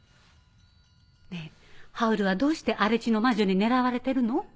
ねぇハウルはどうして荒地の魔女に狙われてるの？